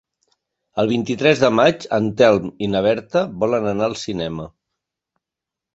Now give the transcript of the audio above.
El vint-i-tres de maig en Telm i na Berta volen anar al cinema.